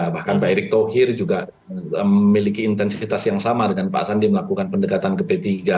bahkan pak erick thohir juga memiliki intensitas yang sama dengan pak sandi melakukan pendekatan ke p tiga